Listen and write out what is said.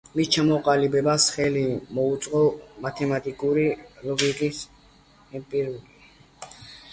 მის ჩამოყალიბებას ხელი შეუწყო მათემატიკური ლოგიკის, ემპირიული ფსიქოლოგიის, კიბერნეტიკის, მათემატიკური ლინგვისტიკის განვითარებამ.